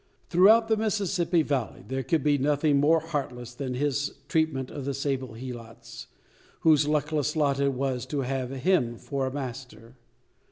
Throughout the Mississippi valley there could be nothing more heartless than his treatment of the sable helots, whose luckless lot it was to have him for a master.